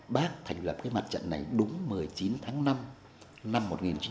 bác thành lập cái mặt trận này đúng một mươi chín tháng năm năm một nghìn chín trăm bảy mươi năm